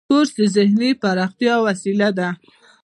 کورس د ذهني پراختیا وسیله ده.